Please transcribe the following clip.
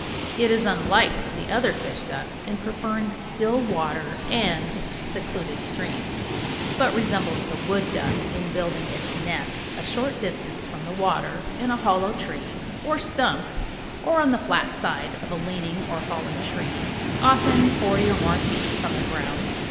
It is unlike the other "fish ducks" in preferring still water and secluded streams, but resembles the wood duck in building its nest a short distance from the water in a hollow tree or stump or on the flat side of a leaning or fallen tree, often forty or more feet from the ground.